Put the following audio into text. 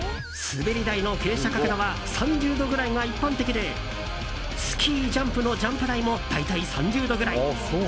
滑り台の傾斜角度は３０度ぐらいが一般的でスキージャンプのジャンプ台も大体３０度ぐらい。